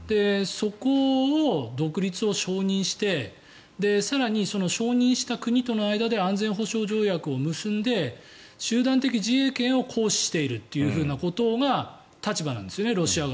そこを、独立を承認して更に、承認した国との間で安全保障条約を結んで集団的自衛権を行使しているということがロシア側の立場なんですよね。